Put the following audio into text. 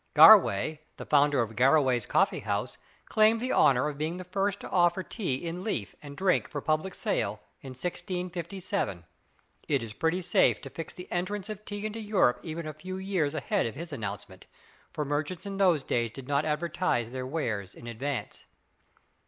Garway, the founder of Garraway's coffee house, claimed the honor of being first to offer tea in leaf and drink for public sale, in 1657. It is pretty safe to fix the entrance of tea into Europe even a few years ahead of his announcement, for merchants in those days did not advertise their wares in advance.